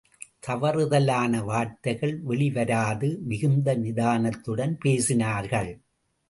தவறுதலான வார்த்தைகள் வெளிவராது மிகுந்த நிதானத்துடன் பேசினார்கள்.